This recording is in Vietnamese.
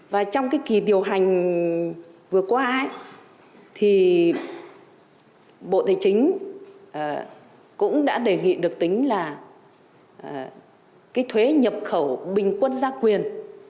và trong kỳ điều hành vừa qua bộ tài chính cũng đã đề nghị được tính thuế nhập khẩu bình quân gia quyền